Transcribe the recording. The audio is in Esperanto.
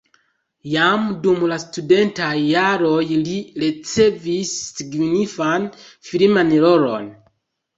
Jam dum la studentaj jaroj li ricevis signifan filman rolon.